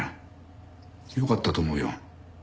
よかったと思うよ。